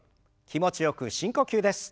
気持ちよく深呼吸です。